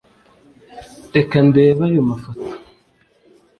Reka ndebe ayo mafoto.